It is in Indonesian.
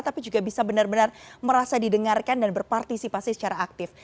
tapi juga bisa benar benar merasa didengarkan dan berpartisipasi secara aktif